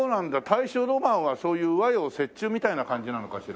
大正浪漫はそういう和洋折衷みたいな感じなのかしら？